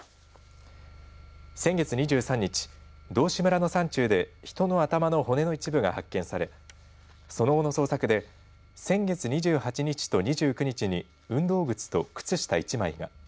先月２３日、道志村の山中で人の頭の骨の一部が発見されその後の捜索で先月２８日と２９日に運動靴と靴下１枚が。